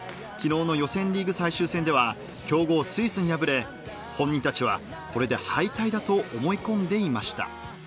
昨日の予選リーグ最終戦では強豪・スイスに敗れ本人たちはこれで敗退だと思い込んでいました。